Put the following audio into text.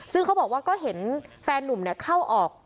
ซึ่งเขาบอกว่าก็เห็นแฟนนุ่มเข้าออก